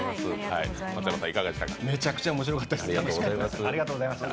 めちゃくちゃ面白かったです。